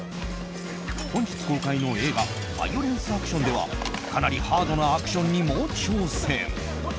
本日公開の映画「バイオレンスアクション」ではかなりハードなアクションにも挑戦。